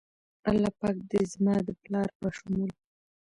الله پاک د زما د پلار په شمول